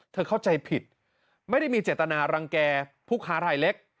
เข้าใจผิดไม่ได้มีเจตนารังแก่ผู้ค้ารายเล็ก